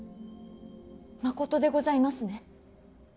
まことでございますね。